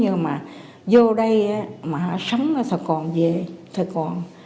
nếu mà vô đây mà sống đó còn về thstop còn moss con về thế còn